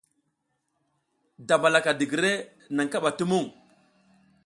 Damalaka digire naŋ kaɓa tumuŋ.